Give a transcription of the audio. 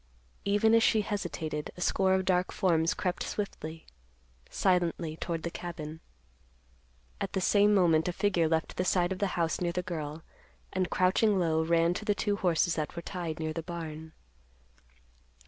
Even as she hesitated, a score of dark forms crept swiftly, silently toward the cabin. At the same moment a figure left the side of the house near the girl, and, crouching low, ran to the two horses that were tied near the barn.